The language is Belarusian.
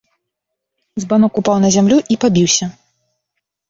Збанок упаў на зямлю і пабіўся.